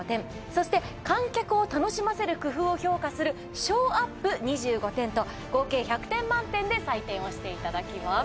そして観客を楽しませる工夫を評価するショーアップ２５点と合計１００点満点で採点をしていただきます。